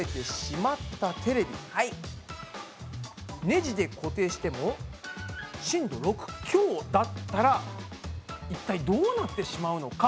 ネジで固定しても震度６強だったら一体どうなってしまうのか？